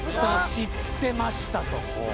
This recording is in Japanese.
知ってましたと。